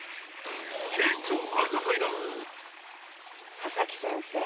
佐々木先生